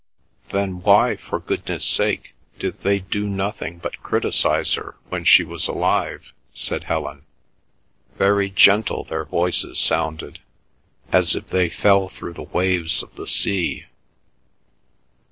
"Then why, for goodness' sake, did they do nothing but criticize her when she was alive?" said Helen. Very gentle their voices sounded, as if they fell through the waves of the sea.